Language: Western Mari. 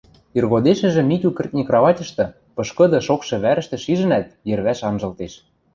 Иргодешӹжӹ Митю кӹртни краватьышты, пышкыды, шокшы вӓрӹштӹ шижӹнӓт, йӹрвӓш анжылтеш.